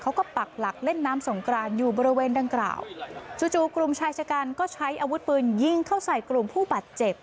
ปักหลักเล่นน้ำสงกรานอยู่บริเวณดังกล่าวจู่จู่กลุ่มชายชะกันก็ใช้อาวุธปืนยิงเข้าใส่กลุ่มผู้บาดเจ็บ